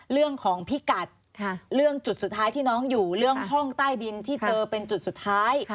เรื่องของพิกัดเรื่องจุดสุดท้ายที่น้องอยู่เรื่องห้องใต้ดินที่เจอเป็นจุดสุดท้าย